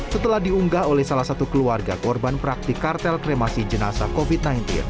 setelah diunggah oleh salah satu keluarga korban praktik kartel kremasi jenazah covid sembilan belas